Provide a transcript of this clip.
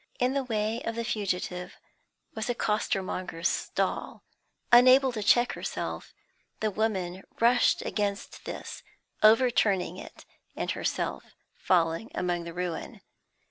In the way of the fugitive was a costermonger's stall; unable to check herself, the woman rushed against this, overturning it, and herself falling among the ruin.